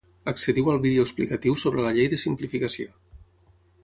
Accediu al vídeo explicatiu sobre la Llei de simplificació.